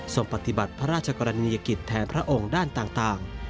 ปฏิบัติพระราชกรณียกิจแทนพระองค์ด้านต่าง